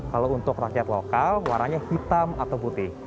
kalau untuk rakyat lokal warnanya hitam atau putih